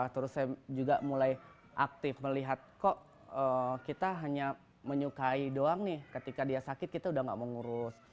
terus saya juga mulai aktif melihat kok kita hanya menyukai doang nih ketika dia sakit kita udah gak mau ngurus